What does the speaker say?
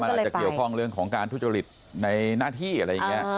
อาจจะเกี่ยวข้องเรื่องของการทุจริตในหน้าที่อะไรอย่างนี้